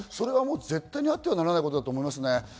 それは絶対にあってはならないことだと思います。